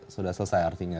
sudah selesai artinya